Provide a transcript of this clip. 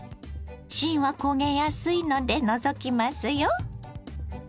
芯は焦げやすいので除きますよ。